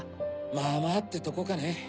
まぁまぁってとこかねぇ。